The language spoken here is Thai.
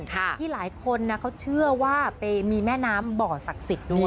ที่หลายคนเขาเชื่อว่าไปมีแม่น้ำบ่อศักดิ์สิทธิ์ด้วย